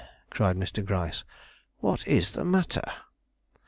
cried Mr. Gryce; "what is the matter?"